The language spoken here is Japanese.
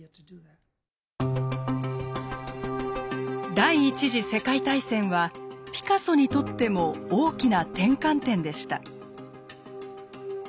第１次世界大戦はピカソにとっても大きな転換点でした。